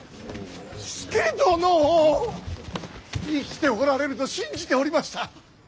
生きておられると信じておりました。